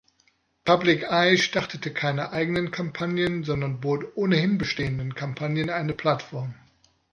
Public Eye startete keine eigenen Kampagnen, sondern bot ohnehin bestehenden Kampagnen eine Plattform.